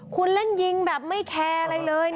คุณเล่นยิงแบบไม่แคร์อะไรเลย